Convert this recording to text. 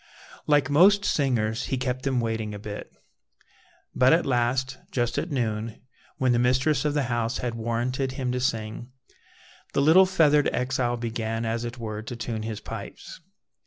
Like most singers, he kept them waiting a bit. But at last, just at noon, when the mistress of the house had warranted him to sing, the little feathered exile began, as it were, to tune his pipes.